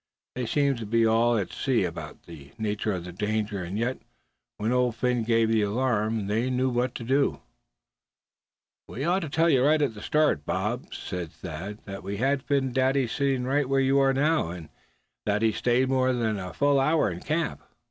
They seemed to be all at sea about the nature of the danger, and yet when Old Phin gave the alarm, they knew what they had to do." "We ought to tell you in the start, Bob," said Thad, "that we had Phin Dady sitting right where you are now; and that he stayed more than a full hour in camp."